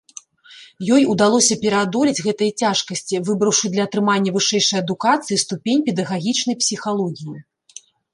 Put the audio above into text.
Ёй удалося пераадолець гэтыя цяжкасці, выбраўшы для атрымання вышэйшай адукацыі ступень педагагічнай псіхалогіі.